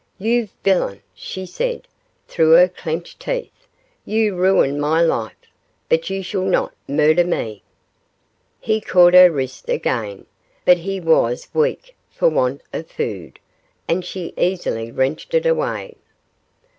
'You villain!' she said, through her clenched teeth, 'you ruined my life, but you shall not murder me!' He caught her wrist again, but he was weak for want of food, and she easily wrenched it away.